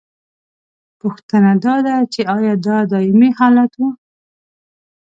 پوښتنه دا ده چې ایا دا دائمي حالت و؟